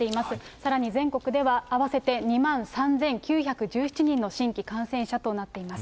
さらに全国では、合わせて２万３９１７人の新規感染者となっています。